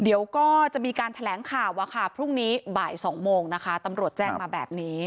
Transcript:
เดี๋ยวก็จะมีการแถลงข่าวพรุ่งนี้บ่าย๒โมงนะคะตำรวจแจ้งมาแบบนี้